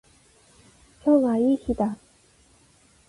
今日はいい日だ。